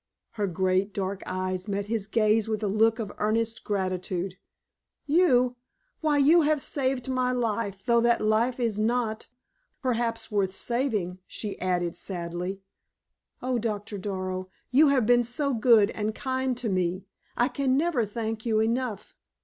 Her great, dark eyes met his gaze with a look of earnest gratitude. "You? Why, you have saved my life, though that life is not, perhaps, worth saving," she added, sadly. "Oh, Doctor Darrow, you have been so good and kind to me! I can never thank you enough!